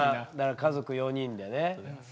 家族４人でね。